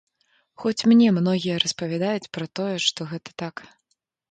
Хоць мне многія распавядаюць пра тое, што гэта так.